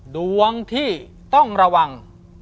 ดวงที่ต้องระวัง